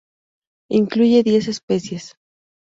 Incluye diez especies.